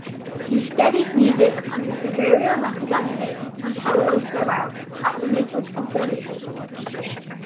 He studied music under Saverio Mercadante and Paolo Serrao at the Naples Conservatory.